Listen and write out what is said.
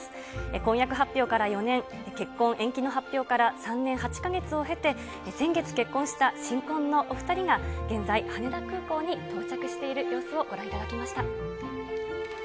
婚約発表から４年、結婚延期の発表３年８か月を経て、先月結婚した新婚のお２人が現在、羽田空港に到着している様子をご覧いただきました。